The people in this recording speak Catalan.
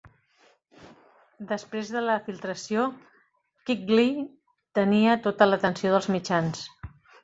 Després de la filtració, Quigley tenia tota l'atenció dels mitjans.